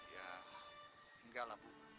ya enggak lah bu